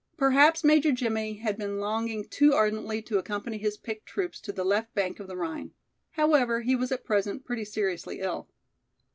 Perhaps Major Jimmie had been longing too ardently to accompany his picked troops to the left bank of the Rhine; however, he was at present pretty seriously ill.